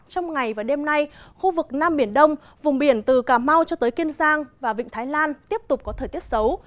trong ngày và đêm nay khu vực nam biển đông vùng biển từ cà mau cho tới kiên giang và vịnh thái lan tiếp tục có thời tiết xấu